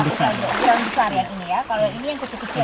terbesar ya ini ya kalau ini yang kecil kecil ya